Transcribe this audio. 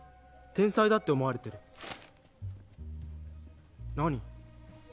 天才だって思われてる何？